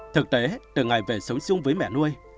thực tế từ ngày về sống xung với mẹ nuôi